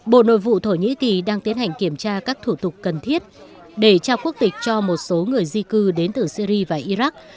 bộ nội vụ thổ nhĩ kỳ đang tiến hành kiểm tra các thủ tục cần thiết để trao quốc tịch cho một số người di cư đến từ syri và iraq